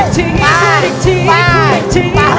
จัดจานยานวิภา